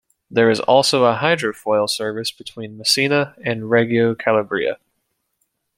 There is also a hydrofoil service between Messina and Reggio Calabria.